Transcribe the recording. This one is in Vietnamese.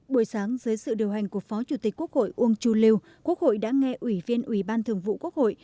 buổi sáng dưới sự điều hành của phó chủ tịch quốc hội uông chu lưu quốc hội đã nghe ủy viên ủy ban thường vụ quốc hội